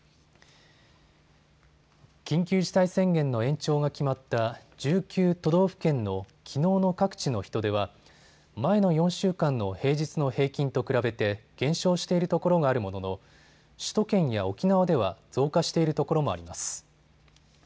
緊急事態宣言の延長が決まった１９都道府県のきのうの各地の人出は前の４週間の平日の平均と比べて減少しているところがあるものの、首都圏や沖縄では増加しているところもあります。